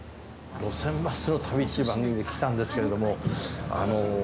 『路線バスの旅』っていう番組で来たんですけれども。